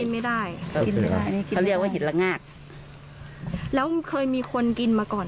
กินไม่ได้เขาเรียกว่าเห็ดละงาดแล้วเคยมีคนกินมาก่อน